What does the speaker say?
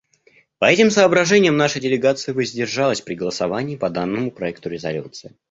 По этим соображениям наша делегация воздержалась при голосовании по данному проекту резолюции.